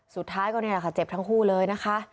สุดท้ายก็นี่แหละค่ะเจ็บทั้งคู่เลยนะคะ